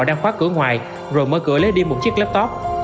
đang khóa cửa ngoài rồi mở cửa lấy đi một chiếc laptop